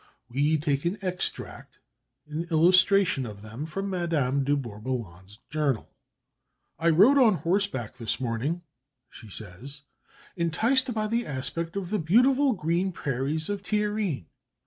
We take an extract, in illustration of them, from Madame de Bourboulon's journal: "I rode on horseback this morning," she says, "enticed by the aspect of the beautiful green prairies of Taïrene.